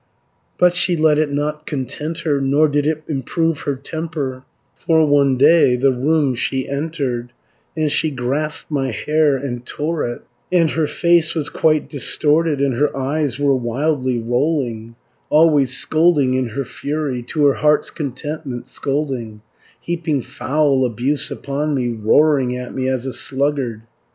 "But she let it not content her, Nor did it improve her temper, 280 For one day the room she entered, And she grasped my hair, and tore it, And her face was quite distorted, And her eyes were wildly rolling, Always scolding in her fury, To her heart's contentment scolding, Heaping foul abuse upon me, Roaring at me as a sluggard.